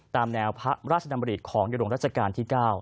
ตามแนวพระราชดำริของในหลวงราชการที่๙